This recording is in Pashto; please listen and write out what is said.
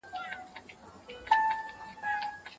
آیا ټکنالوژي زموږ پر ورځني چلند اغېزه کړې ده؟